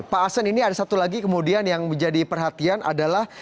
pak asen ini ada satu lagi kemudian yang menjadi perhatian adalah